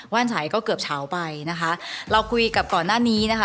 ว่านฉัยก็เกือบเฉาไปนะคะเราคุยกับก่อนหน้านี้นะคะ